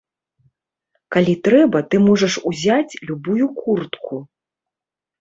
Калі трэба, ты можаш узяць любую куртку.